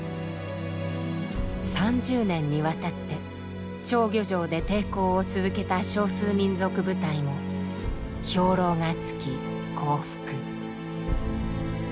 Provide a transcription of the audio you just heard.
３０年にわたって釣魚城で抵抗を続けた少数民族部隊も兵糧が尽き降伏。